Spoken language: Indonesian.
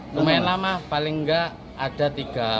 lumayan lama paling enggak ada tiga